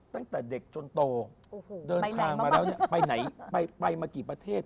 ตั้งแต่เด็กจนโตเดินทางมาแล้วเนี่ยไปไหนไปมากี่ประเทศ